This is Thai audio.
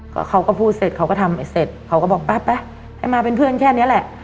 ก็เขาก็พูดเสร็จเขาก็ทำเสร็จเขาก็บอกไปให้มาเป็นเพื่อนแค่นี้แหละ